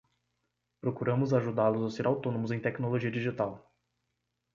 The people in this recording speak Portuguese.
Procuramos ajudá-los a ser autônomos em tecnologia digital.